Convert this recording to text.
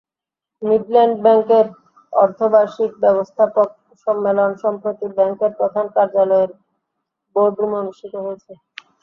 Midland ব্যাংকের অর্ধবার্ষিক ব্যবস্থাপক সম্মেলন সম্প্রতি ব্যাংকের প্রধান কার্যালয়ের বোর্ড রুমে অনুষ্ঠিত হয়েছে।